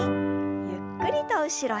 ゆっくりと後ろへ。